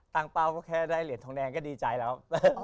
เป้าก็แค่ได้เหรียญทองแดงก็ดีใจแล้ว